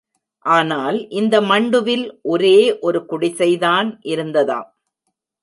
ஆனால் இந்த மண்டுவில் ஒரே ஒரு குடிசைதான் இருந்ததாம்.